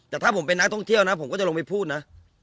แต่ถ้าผมเป็นนักท่องเที่ยวนะผมก็จะลงไปพูดนะ